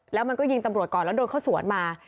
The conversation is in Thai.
แล้วมันก็ยิงตำรวจก่อนแล้วโดนเข้าสวนมา